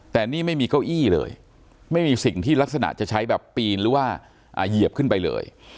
แต่นี่ไม่มีเก้าอี้เลยไม่มีสิ่งที่ลักษณะจะใช้แบบปีนหรือว่าเหยียบขึ้นไปเลย